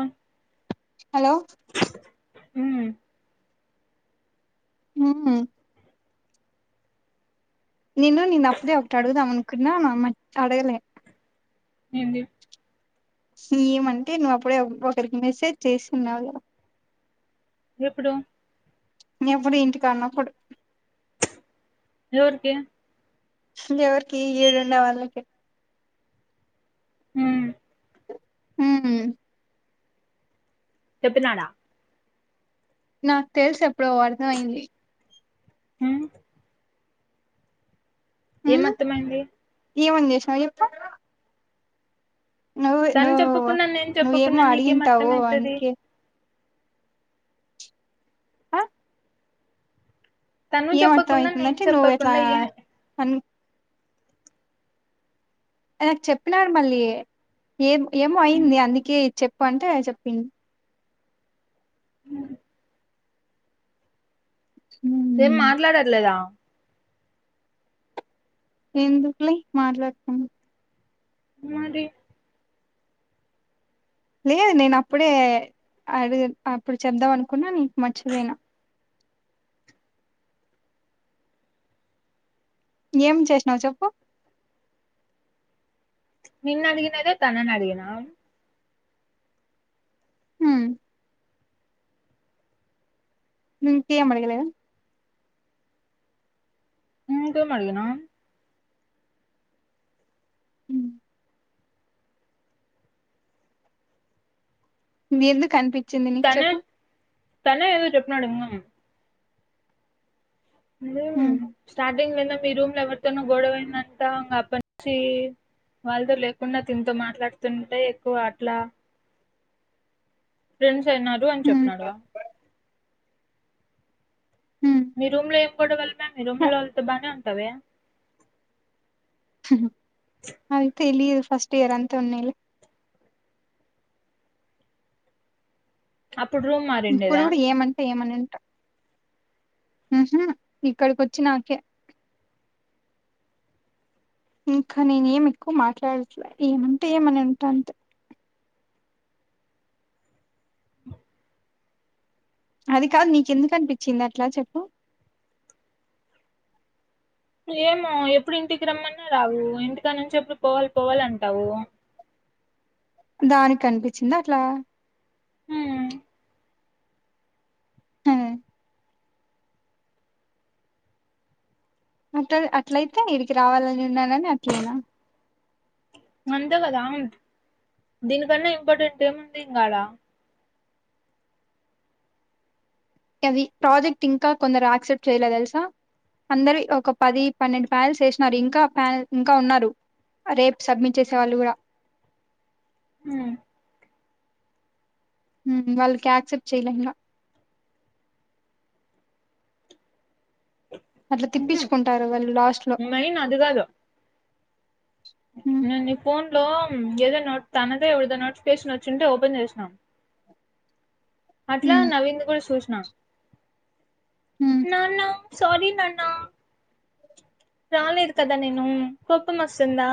On hello ఊమ్ ఊమ్ నిన్న నేను అప్పుడే ఒకటి అడుగుదాం అనుకున్నా మ అడగలే ఏంది ఏమంటే నువ్వు అప్పుడే ఒక ఒకరికి మెసేజ్ చేసిన్నావు ఎప్పుడు ఎప్పుడు ఇంటికవున్నప్పుడు ఎవరికి ఎవరికి ఏడుండే వాళ్ళకి ఉమ్ ఊమ్ చెప్పినడా నాకు తెలుసు ఎప్పుడో అర్థమయింది ఉం ఉమ్ ఏమర్థమైంది ఏమని చేసినావు చెప్పు నువ్వు తను నువ్వు చెప్పకుండా నేను చెప్పకుండా నువ్వేమో నీకేం అడిగింటావు అర్థమైతది అందుకే ఆ తను ఏం అర్థం చెప్పకుండా నేను అవుతుందంటే నువ్వు ఎట్లా చెప్పకుండా ఆ ఏ అన్ అలాకు చెప్పినారు మళ్ళీ ఏం ఏమో హ్మ్ అయింది అందుకే చెప్పు అంటే చెప్పిన్ అ ఏం ఉమ్ మాట్లాడట్లేదా ఎందుకులే మాట్లాడుతుం మారి లేదు నేను అప్పుడే అ అప్పుడు చెదాం అనుకున్నా నీకు మర్చిపోయినా ఏం చేసినావు చెప్పు నిన్న అడిగిన అదే తనని అడిగినా ఉం ఇంకేమ్ అడగలేద ఇంకేం మడిగినా ఉం మీరు కనిపి వచ్చింది నీకు చెప్ప తనా ఏదో చెప్పునాడుంగ ఉ హ్మ్ స్టార్టింగ్ నిన్న మీ రూమ్ లో ఎవరితోనో గొడవ అయిందట అబ్బా ఛీ వద్దు అని హ్మ్ చెప్పాడుగా హ్మ్ మీ రూమ్ లో ఏం కూడా వాళ్లమా హ తెలిదు ఫస్ట్ ఇయర్ అంతా ఉన్నాళ అ ఇప్పుడు రూమ్ మారిండడి చేయమనింటా ఓహో ఇక్కడిక వచ్చి నాకే ఇంకా నేనే ఏమి ఎక్కువ మాట్లాడలే ఏమంటే ఏమని ఉంటా అంటుంది బ అది కాదు నీకెందుకు అనిపించింది అట్లా చెప్పు లేమో ఎప్పుడు ఇంటికి రమ్మన్నా రావు ఇంటికా నుంచి ఎప్పుడు పోవాలి పోవాల అంటావు దానికి అనిపించింది అట్లా హ్మ్ హ, అట్లా అట్లయితే వీరికి రావాల నిన్న అన్న అట్లేనా అంతే కదా దీనికన్నా ఇంపార్టెంట్ ఏముంది ఇంటికాడ అది ప్రాజెక్ట్ ఇంకా కొందరు యాక్సెప్ట్ చేయలే తెలుసా అందరు ఒక పది పన్నెండు ప్యానల్స్ వేసినారు ఇంకా ప్యాన్ల్ ఇంకా ఉన్నారు రేపు సబ్మిట్ చేసే వాళ్ళు కూడా హ వాళ్ళకి యాక్సెప్ట్ చేయలేలా అట్లా ఉహు తిప్పించుకుంటారు వాళ్ళు లాస్ట్ లో నన్ని నీ ఫోన్ ఏదో నో తనద ఎదో నోటిఫికేషన్ వచ్చింటే ఓపెన్ చేసినాం అట్లా హ్మ్. నవీంద కూడా చూ అ హ్మ్. నాన్న సారీ నాన్న నేను రాలేదు కదా నేను కోపం వస్తుందా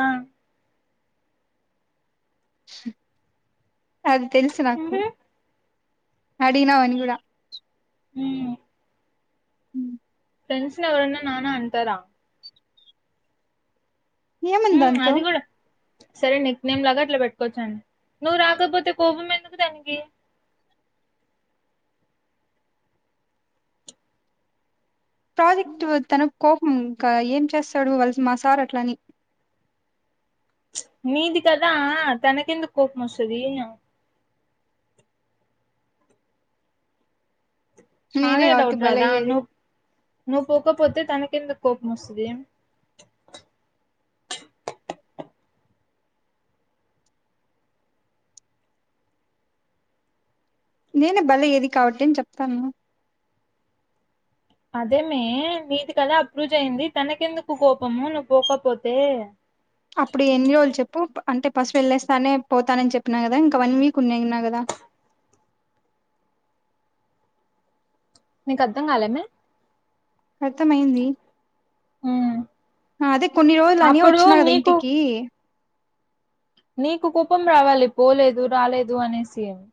అది తెలుసు నాకు ఉహు అడిినవని కూడాడా అ ఫెండ్స్ ఎవరైనా నాన్న అంటారా ఏమైంది హ్మ్ దాంతో అది కూడా సరే నీక్ నేమ్ లాగా అట్లా పెట్టుకోవచ్చండి నువ్వు రాకపోతే కోపం ఎందుకు దానికి ప్రాజెక్టు తన కోపం ఇంకా ఏం చేస్తాడు మా సార్ అట్లని మీది కదా తనకెందు కోపం వస్తుంది కా నేనే గాబట్టి డౌట్ రాదా బలయ్యేది. ను నువు పోకపోతే తనకు ఎందుకు కోపం వస్తది నేను బలైయేది కాబట్టి అని చెప్తాను అదేమే నీది కదా అప్రూజ్ అయింది తనకెందుకు కోపము నువ్వు పోకపోతే అప్పుడు ఎన్ని రోజులు చెప్పు అంటే బస్సు వెళ్ళేస్తానే పోతానని చెప్పినా కదా ఇంకా వన్ వీక్ ఉన్నానని కదా నీకు అర్థం కాలేమే అర్థమయింది హ్మ్ అదే కొన్ని రోజులు అని అప్పుడు వచ్చినా కదా నీకు ఇంటికి నీకు కోపం రావాలి పోలేదు రాలేదు అనేసి ఏమి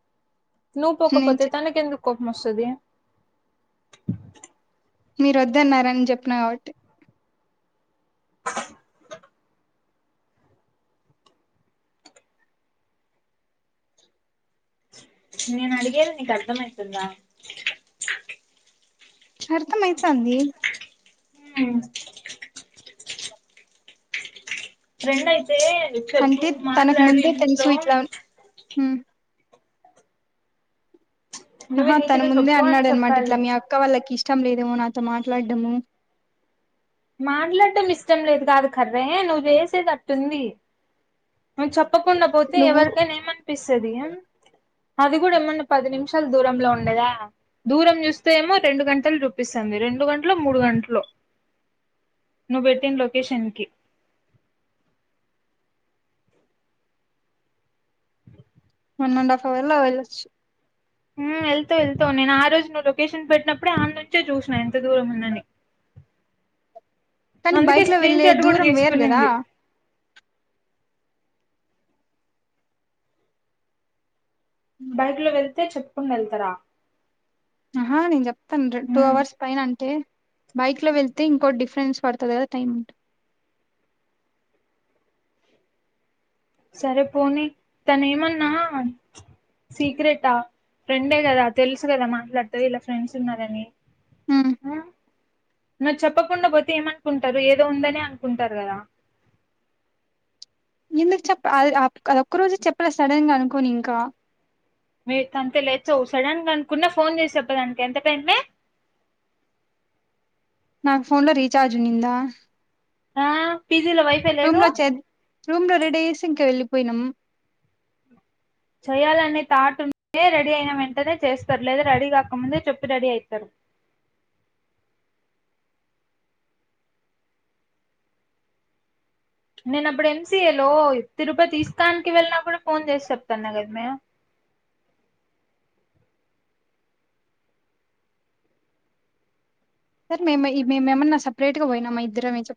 నువ్వు నేను పోకపోతే చె తనకు ఎందుకు కోపం మస్తాది [unintelligible] మీరు వద్దన్నారని చెప్పిన కాబట్టి నేను అడిగేది నీకు అర్థమవుతుందా అర్థం అయితది ఉమ్ ఫ్రెండ్ అయితే [unintelligible] అంటే చెప్పుమాట్లాడి ఇంట్లో హమ్ నువ్వే ఆహా తన నీట్గా ముందే చెప్పు అని అన్నాడనమాట ఇట్లా చెప్పాలి మీ అక్క వాళ్ళకి ఇ ష్టం లేదేమో నాతో మాట్లాడము మాట్లాడటం ఇష్టం లేదు కాదు కర్రే నువ్వు చేసేది అట్టుంది చెప్పకుండా పోతే నువ్వు ఎవరికైనా ఏమనిపిస్తాది అది కూడా ఏమన్నా పది నిమిషాలు దూరంలో ఉండేదా దూరం చూస్తే ఏమో రెండు గంటలు చూపిస్తుంది రెండు గంటలు మూడు గంటలో నువ్వు పెట్టిన లొకేషన్ కి వన్ అండ్ హఫ్ అర్ లో వెళ్ళొచ్చు హు వెళ్తావు వెళ్తావు నేను ఆ రోజు నువ్వు లొకేషన్ పెట్టినప్పుడే ఆన్నుంచే చూసిన ఎంత దూరం ఉందని కానీ అందుకే బైక్ లో స్క్రీన్ వెళ్లే షాట్ కూడా దూరం వేరు కదా తీసుకునింది బైక్లో వెళ్ళే అే చెప్పకుండా వెళ్తరా ఆహా నేను చెప్తాను టూ అవర్స్ పైన అంటే బైక్ లో వెళ్తే ఇంకో డిఫరెన్స్ పడుతుంది కదా టైం ఉంటె సరే పోనీ తను ఏమన్నా సీక్రెట ఆ ఫ్రెండే కదా తెలుసు కదా మాట్లాడుతే ఇలా ఫ్రెండ్స్ ఉన్నారని ఉమ్ ఆ నువ్వు చెప్పకుండా పోతే ఏమనుకుంటారు ఏదో ఉందని అనుకుంటారు కదా ఎందుకు చెప్ప అ అది ఒక్క రోజు చెప్పలే సడన్ గా అనుకోని ఇంకా మీరు తంత లేచ సడన్ గా అనుకున్నా ఫోన్ చేసి చెప్పడానికి ఎంత టైంమే నాకు ఫోన్ లో రీఛార్జ్ ఉన్నిందా ఆ పీజీలో వైఫై రూమ్ లేదు లో రూమ్ లో రెడ్ ఏసంకి వెళ్ళి పోయినం చేయాలనే థాట్ ఉంటే రెడీ అయిన వెంటనే చేస్తారు లేదా రెడీ కాకముందే చెప్పి రెడీ అవుతారు నేను అప్పుడు ఎంసిఏలో తిరుపతి ఇస్తకాన్ కి వెళ్ళినప్పుడు ఫోన్ చేసి చెప్తాను కదా మే సార్ మేము ఇవేమన్నా సేపరేట్గా పోయినామా ఇద్దరమే చె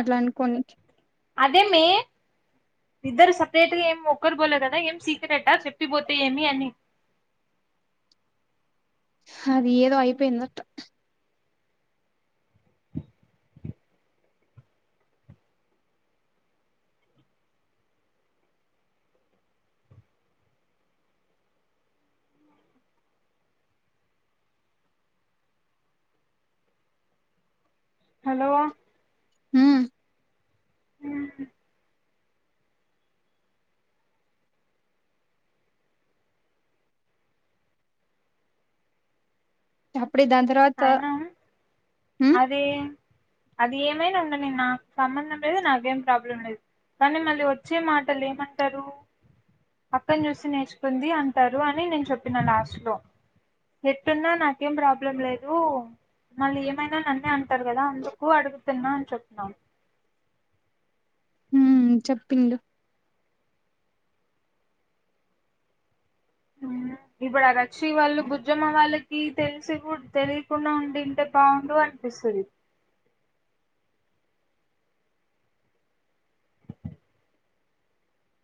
అట్లా అనుకోండి అదే మే ఇద్దరు సపరేట్గా ఏం ఒక్కరు పోలే కదా ఏం సీక్రెట చెప్పిపోతే ఏమి అని అది ఏదో అయిపోయిందట హలో హుమ్ ఆ టప్ అప్పుడే దాని తరవాత అయినా హుమ్? అది అది ఏమైనా ఉండని నాకు సంబంధం లేదు నాకేం ప్రాబ్లం లేదు. కానీ మళ్ళీ వచ్చే మాటలు ఏమంటారు అక్కని చూసి నేర్చుకుంది అంటారు అని నేను చెప్పిన లాస్ట్ లో. ఎట్టున్నా నాకేం ప్రాబ్లం లేదు. మళ్ళీ ఏమైనా నన్నే అంటారు కదా అందుకు అడుగుతున్నా అని చెప్తున్నా హూమ్ చెప్పిండు ఇప్పుడు అ రక్షి వాళ్ళు బుజ్జమ్మ వాళ్ళకి తెలిసి తెలియకుండా ఉండింటే బాగుండు అనిపిస్తది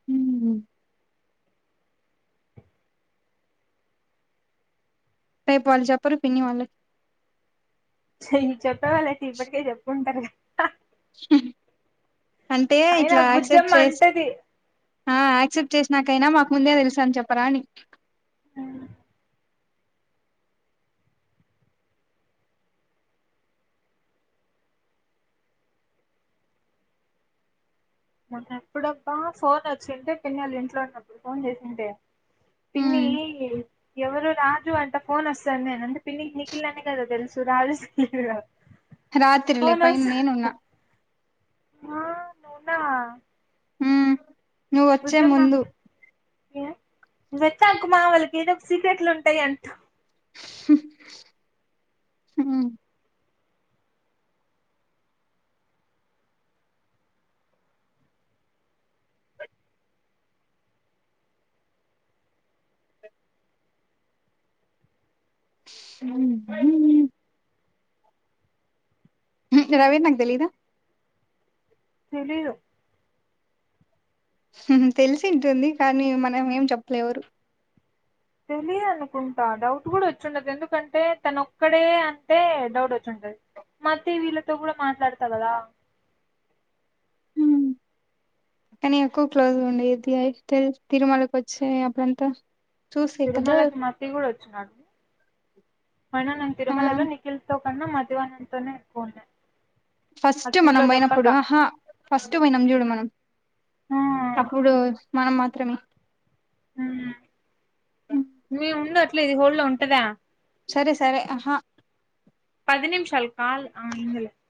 హ్మ్. టైపు వాళ్ళు చెప్పరు పిన్ని వాళ్ళకి చెయ్ చప్ చెవాలయితే ఇప్పటికే చెప్పుకుంటారుగా హా స అంటే అయినా ఇట్లా యాక్సెప్ట్ బుజ్జమ్మ చేసి అంటది హా యాక్సెప్ట్ చేసి నాకైనా మాకు ముందే తెలుసని చెప్పరాని ఆ మొన్నెప్పుడబ్బా ఫోన్ వచ్చింటే పిన్ని వాళ్ళు ఇంట్లో ఉన్నప్పుడు ఫోన్ చేసింటే పిన్ని హ్మ్. ఎవరు రాజు అంట ఫోన్ వస్తంది అని అంటే పిన్ని నికిళ్ళనే కదా తెలుసు రాజుల్ రాత్రిలే పైన నేనున్నా ఆహ్ నాహ్ నువ్వొచ్చే ముందు వెత్తాకు మా వాళ్ళకి ఏదో ఒక సీక్రెట్లు ఉంటాయంట హూ ఉహూ రవీ నాగ్ దెలీదా తెలీదు హుహు తెలిసింటుంది కానీ మనం ఏం చెప్పలే ఎవరు తెలీదనుకుంటా డౌట్ కూడా వచ్చుండదు ఎందుకంటే తన ఒక్కడే అంటే డౌట్ వచ్చుంటది మతి వీళ్ళతో కూడా మాట్లాడతా కదా కానీ ఎక్కువ క్లోజ్గా ఉండేది అయితే తిరుమలకి వచ్చే అప్పుడంతా చూసే కదా తిరుమలకి మతి కూడా వచ్చినాడు. అయినా నేను ఆ తిరుమలలో నిఖిల్ తో కన్నా మధవన్నతోనే ఎక్కువుండే ఫస్ట్ మనం పోయినప్పుడు ఆహా ఫస్ట్ పోయినాం చూడు మనం ఆ అప్పుడు మనం మాత్రమే లే ఇది హోళ్ళో ఉంటదా సరే సరే అహా పది నిమిషాల్ కాల్ ఆ ఇంగ్లే